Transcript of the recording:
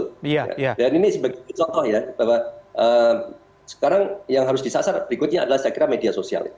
dan ini sebagai contoh ya bahwa sekarang yang harus disasar berikutnya adalah saya kira media sosial